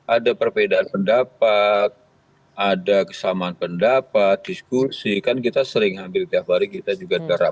ada perbedaan pendapat ada kesamaan pendapat diskusi kan kita sering hampir tiap hari kita juga terang